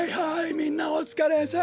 みんなおつかれさん。